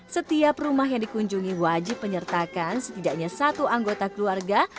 setiap rumah yang dikunjungi wajib menyertakan setidaknya satu anggota keluarga